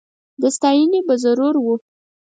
د ستایني به ضرور و